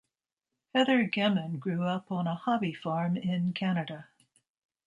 Heather Gemmen grew up on a hobby farm in Canada.